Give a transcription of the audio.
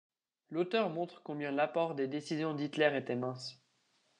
L’auteur montre combien l’apport des décisions d'Hitler était mince.